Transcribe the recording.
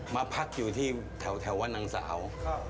มาพักอยู่ที่แถวว่านางสาว